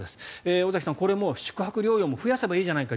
尾崎さん、これも宿泊療養も増やせばいいじゃないか